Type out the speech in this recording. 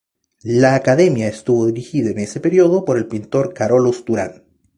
La academia estuvo dirigida en ese periodo por el pintor Carolus-Duran.